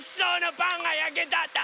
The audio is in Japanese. パンがやけたんだ！